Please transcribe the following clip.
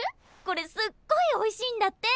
これすっごいおいしいんだって！